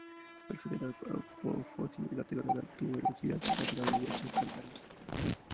Surge de la apófisis lateral de la tuberosidad lateral del hueso calcáneo.